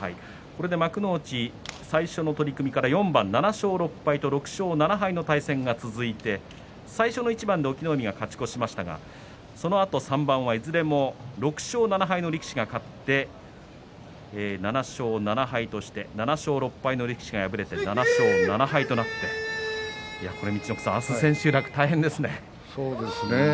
これで幕内、最初の取組から４番で６勝７敗と７勝６敗の対戦が続いて最初の一番で隠岐の海が勝ち越しましたがそのあと３番はいずれも６勝７敗の力士が勝って７勝７敗として７勝６敗の力士が敗れて７勝７敗となってそうですね。